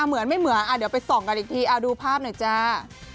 เหมือนไม่เหมือนเดี๋ยวไปส่องกันอีกทีเอาดูภาพหน่อยจ้า